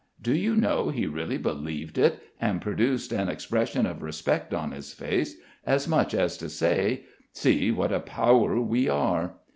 Do you know he really believed it, and produced an expression of respect on his face, as much as to say, 'See, what a power we are.'"